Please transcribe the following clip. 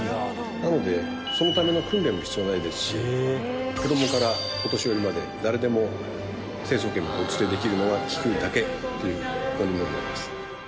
なのでそのための訓練も必要ないですし子どもからお年寄りまで誰でも成層圏にお連れできるのは気球だけという考えになります。